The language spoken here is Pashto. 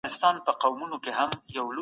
ټول خلګ په مرګ کي سره مساوي دي.